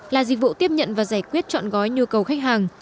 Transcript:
là dịch vụ tiếp nhận và giải quyết chọn gói nhu cầu khách hàng